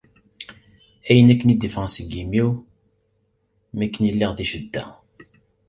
Ayen akken i d-iffɣen seg yimi-w mi akken i lliɣ di ccedda.